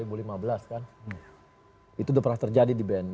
itu sudah pernah terjadi di bni